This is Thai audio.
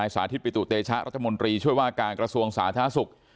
สาธิตปิตุเตชะรัทมนตรีช่วยว่าการกระทรวงศาสตราศูกย์